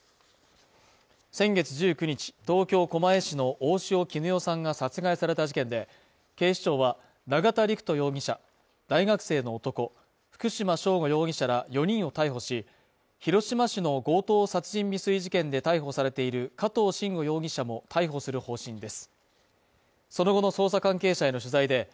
先月１９日、東京狛江市の大塩衣与さんが殺害された事件で、警視庁は、永田陸人容疑者大学生の男福島聖悟容疑者ら４人を逮捕し、広島市の強盗殺人未遂事件で逮捕されている加藤臣吾容疑者も逮捕する方針です。